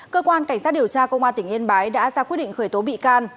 cơ quan cảnh sát điều tra công an tỉnh yên bái đã ra quyết định khởi tố bị can